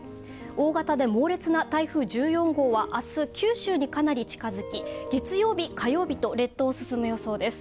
大型で猛烈な台風１４号は、明日、九州にかなり近づき、月曜日、火曜日と列島を進む予想です。